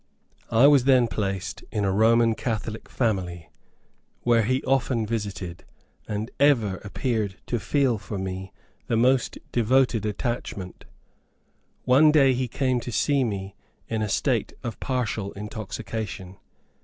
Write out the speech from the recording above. I was then placed in a Roman Catholic family, where he often visited, and ever appeared to feel for me the most devoted attachment. One day he came to see me in a state of partial intoxication.